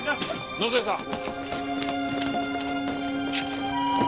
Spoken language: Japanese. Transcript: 野添さん。